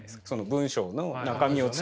文章の中身を作って。